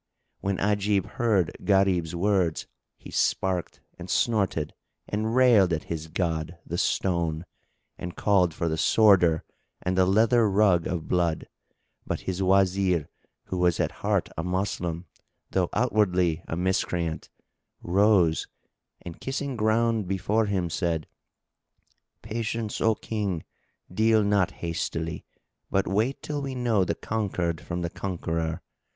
When Ajib heard Gharib's words, he snarked and snorted and railed at his god, the stone, and called for the sworder and the leather rug of blood but his Wazir, who was at heart a Moslem though outwardly a Miscreant, rose and kissing ground before him, said, "Patience, O King, deal not hastily, but wait till we know the conquered from the conqueror.